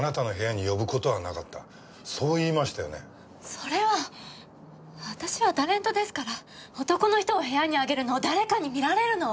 それは私はタレントですから男の人を部屋にあげるのを誰かに見られるのは。